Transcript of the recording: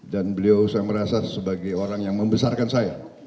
dan beliau saya merasa sebagai orang yang membesarkan saya